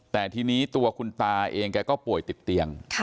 แต่ทีนี้ตัวคุณตาเองแกก็ป่วยติดเตียง